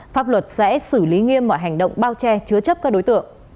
pháp luật sẽ xử lý nghiêm mọi hành động bao che chứa chấp các đối tượng